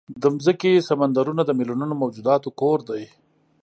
د مځکې سمندرونه د میلیونونو موجوداتو کور دی.